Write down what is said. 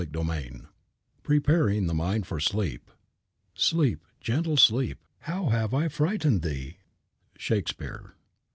CHAPTER XIV PREPARING THE MIND FOR SLEEP Sleep, gentle sleep, how have I frighted thee? SHAKESPEARE.